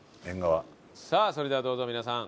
さあそれではどうぞ皆さん。